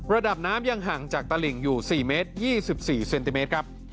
ระดับน้ำยังห่างจากตลิ่งอยู่๔เมตร๒๔เซนติเมตรครับ